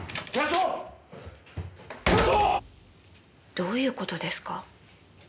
どういう事ですか？